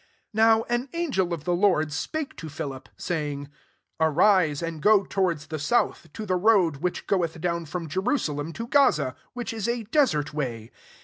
26 NOW an angel of the Lord spake to Philip, saying, " Arise, and go towards the south, to the road which goeth down from Jerusalem to Gaza ; which is a desert way."